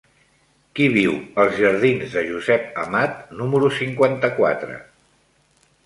Qui viu als jardins de Josep Amat número cinquanta-quatre?